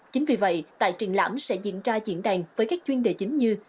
chính vì vậy tại triển lãm sẽ diễn ra diễn đàn với các chuyên đề chính như